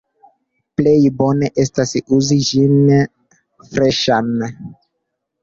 Plej bone estas uzi ĝin freŝan.